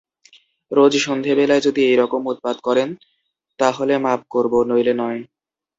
রোজ সন্ধেবেলায় যদি এইরকম উৎপাত করেন তা হলে মাপ করব, নইলে নয়।